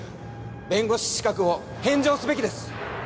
弁護士資格を返上すべきです。